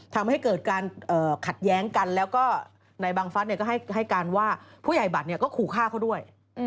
ทำให้เกิดการขัดแย้งกันแล้วก็นายบังฟัสก็ให้การว่าผู้ใหญ่บัตรก็ขู่ฆ่าเขาด้วย